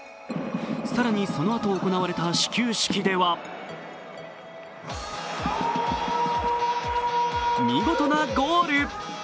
更にそのあと行われた始球式では見事なゴール。